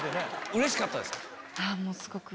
うれしかったですか？